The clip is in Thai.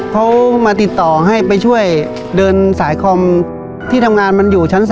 เขามาติดต่อให้ไปช่วยเดินสายคอมที่ทำงานมันอยู่ชั้น๓